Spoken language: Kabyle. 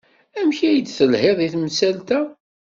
Amek ay d-telhiḍ ed temsalt-a?